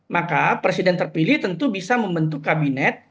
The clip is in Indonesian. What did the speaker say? maka presiden terpilih tentu bisa membentuk kabinet